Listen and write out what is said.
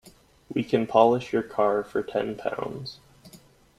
We can polish your car for ten pounds.